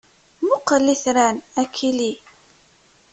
Mmuqqel itran a Kelly!